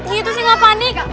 iya itu sih gak panik